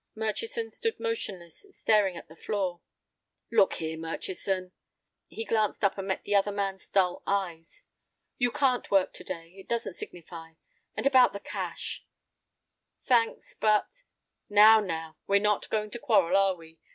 Murchison stood motionless, staring at the floor. "Look here, Murchison." He glanced up and met the other man's dull eyes. "You can't work to day. It doesn't signify. And about the cash—" "Thanks, but—" "Now, now, we're not going to quarrel, are we?